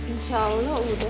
insya allah udah